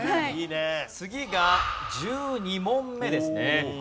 次が１２問目ですね。